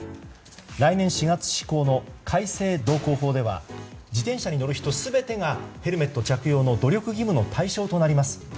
来年４月施行の改正道交法では自転車に乗る人全てがヘルメット着用の努力義務の対象となります。